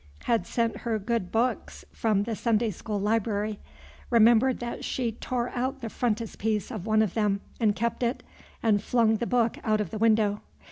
Had sent her good books from the Sunday school library. Remembered that she tore out the frontispiece of one of them, and kept it, and flung the book out of the window.